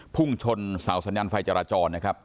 พุ่งชนเสาสัญญาณไฟจราจรนะครับ